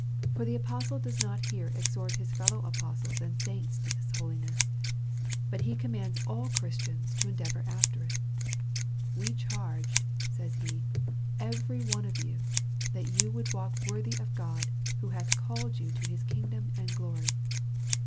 For tile apostle does not here exhort his fellow apostles and saints to this holiness, but he commands all Chris tians to endeavour after it : fVe charged, says he, eveiy one of you, that you would walk worthy of God, who hath called you to his kingdom and glory.